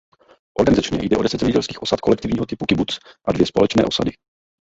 Organizačně jde o deset zemědělských osad kolektivního typu kibuc a dvě společné osady.